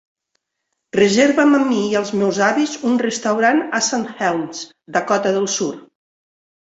Reserva'm a mi i als meus avis un restaurant a Saint Helens, Dakota del Sud.